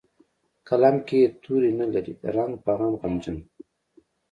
قلم کې یې توري نه لري د رنګ په غم غمجن